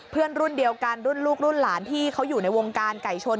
รุ่นเดียวกันรุ่นลูกรุ่นหลานที่เขาอยู่ในวงการไก่ชน